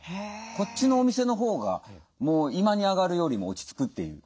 こっちのお店のほうがもう居間に上がるよりも落ち着くっていう。